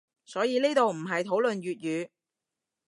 所以呢度唔係討論粵語